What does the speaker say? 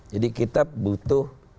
jadi kita butuh